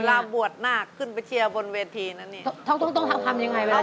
เวลาบวชหน้าขึ้นไปเชียร์บนเวทีนะเนี่ยเขาต้องทำอย่างไรเวลาเชียร์ลำวง